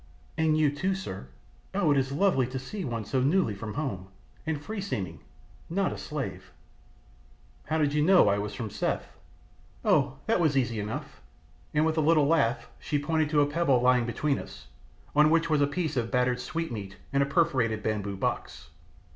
"And you too, sir. Oh, it is lovely to see one so newly from home, and free seeming not a slave." "How did you know I was from Seth?" "Oh, that was easy enough," and with a little laugh she pointed to a pebble lying between us, on which was a piece of battered sweetmeat in a perforated bamboo box.